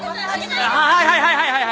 はいはいはいはい。